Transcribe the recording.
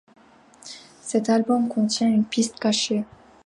Cet album contient une piste cachée.